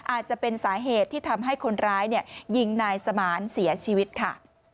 อาจจะเป็นสาเหตุที่ทำให้คนร้ายยิงนายสมานเสียชีวิตค่ะ